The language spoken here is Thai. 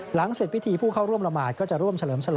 เสร็จพิธีผู้เข้าร่วมละหมาดก็จะร่วมเฉลิมฉลอ